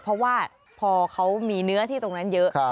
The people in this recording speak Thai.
เพราะว่าพอเขามีเนื้อที่ตรงนั้นเยอะ